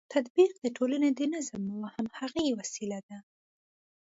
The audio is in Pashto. تطبیق د ټولنې د نظم او همغږۍ وسیله ده.